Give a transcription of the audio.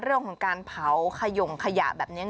เรื่องของการเผาขยงขยะแบบนี้